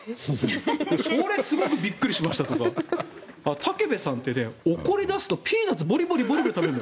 それすごくびっくりしましたとか武部さんって怒り出すとピーナツをボリボリ食べるの。